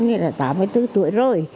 nên là tám mươi bốn tuổi rồi